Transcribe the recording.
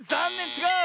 ちがう！